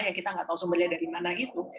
yang kita tidak tahu sumbernya dari mana itu